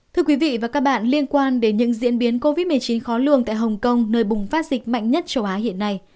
thưa quý vị và các bạn liên quan đến những diễn biến covid một mươi chín khó lường tại hồng kông nơi bùng phát dịch mạnh nhất châu á hiện nay